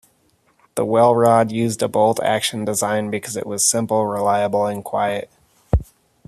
The Welrod used a bolt-action design because it was simple, reliable and quiet.